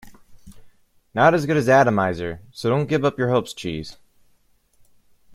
Not as good as "Atomizer", so don't get your hopes up, cheese.